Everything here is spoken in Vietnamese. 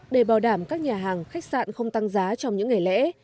để bảo đảm các nhà hàng khách sạn không tăng giá trong những ngày lễ